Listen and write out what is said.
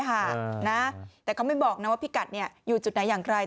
ใช่ค่ะแต่เขาไม่บอกว่าฟี่กัดอยู่จุดไหนอย่างใกล้